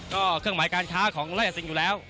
ก็เครื่องหมายการค้าของไล่อาซิงอยู่แล้ว